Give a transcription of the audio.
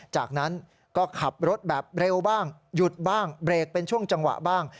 จากนั้นก็ขับรถแบบเร็วบ้างหยุดบ้างเบรกเป็นช่วงจังหวะบ้าง